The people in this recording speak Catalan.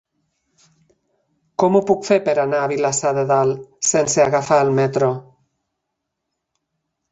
Com ho puc fer per anar a Vilassar de Dalt sense agafar el metro?